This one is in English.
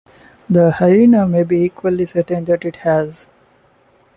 The hyaena may be equally certain that it has.